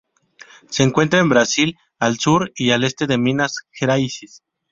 Se encuentra en Brasil, al sur y al este de Minas Gerais.